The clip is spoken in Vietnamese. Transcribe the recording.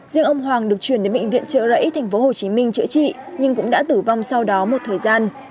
riêng ông hoàng được chuyển đến bệnh viện trợ rẫy tp hcm chữa trị nhưng cũng đã tử vong sau đó một thời gian